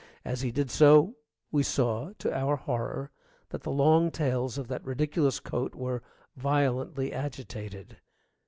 As he did so we saw to our horror that the long tails of that ridiculous coat were violently agitated.